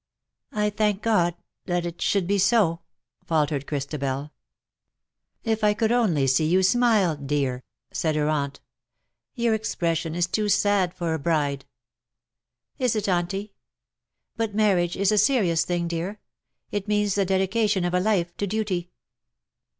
" I thank God that it should be so,'' faltered Christabel. '^ If I could only see you smile, dear," said 126 ^' THAT LIP AND VOICE her aunt. ^^Your expression is too sad for a bride/^ ^^ Is it_, Auntie ? But marriage is a serious things dear. It means the dedication of a life to duty."